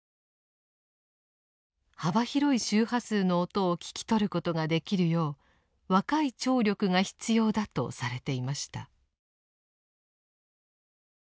幅広い周波数の音を聞き取ることができるよう若い聴力が必要だとされていました。